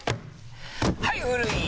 はい古い！